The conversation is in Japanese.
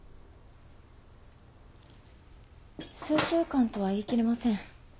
数週間とは言い切れません。